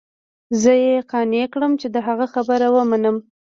زه يې قانع كړم چې د هغه خبره ومنم.